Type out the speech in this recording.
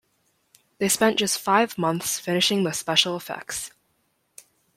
They spent just five months finishing the special effects.